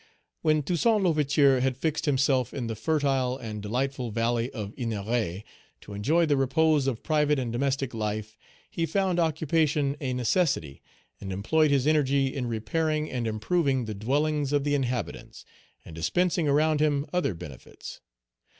When Toussaint L'Ouverture had fixed himself in the fertile and delightful valley of Ennery, to enjoy the repose of private and domestic life, he found occupation a necessity, and employed his energy in repairing and improving the dwellings of the inhabitants, and dispensing around him other benefits.